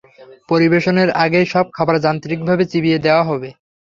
পরিবেশনের আগেই সব খাবার যান্ত্রিকভাবে চিবিয়ে দেওয়া হবে।